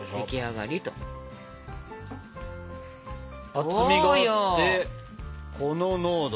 厚みがあってこの濃度です。